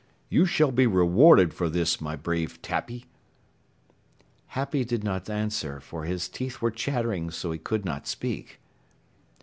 "You shall be rewarded for this, my brave Tappy." Happy did not answer, for his teeth were chattering so he could not speak.